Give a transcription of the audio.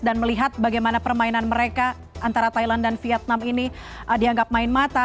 dan melihat bagaimana permainan mereka antara thailand dan vietnam ini dianggap main mata